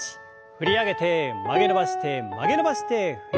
振り上げて曲げ伸ばして曲げ伸ばして振り下ろす。